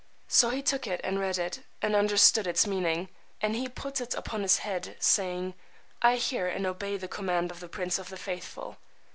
So he took it and read it, and understood its meaning; and he put it upon his head, saying, I hear and obey the command of the Prince of the Faithful.